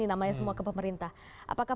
namanya semua ke pemerintah apakah